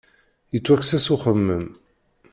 Yettwakkes-as uxemmem.